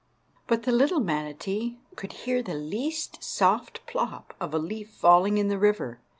But the little manatee could hear the least soft plop of a leaf falling in the river.